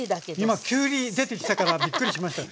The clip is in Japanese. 今「きゅうり」出てきたからびっくりしました。